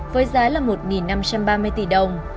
với giá là một năm trăm ba mươi tỷ đồng